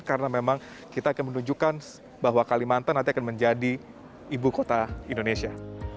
karena memang kita akan menunjukkan bahwa kalimantan nanti akan menjadi ibu kota indonesia